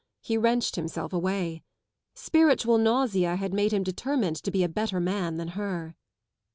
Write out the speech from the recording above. He wrenched himself away. Spiritual nausea made him determined to be a better man than her.